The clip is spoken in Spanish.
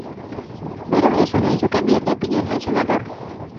Pero eso no hizo cambiar de opinión al senador